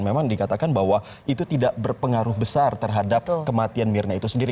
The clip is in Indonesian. memang dikatakan bahwa itu tidak berpengaruh besar terhadap kematian mirna itu sendiri